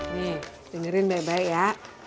nih dengerin baik baik ya